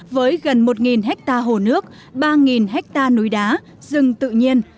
với gần một ha hồ nước ba ha núi đá rừng tự nhiên